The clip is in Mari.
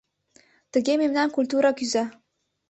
Тыге мемнан культура кӱза.